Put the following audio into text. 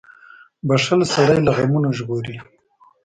• بښل سړی له غمونو ژغوري.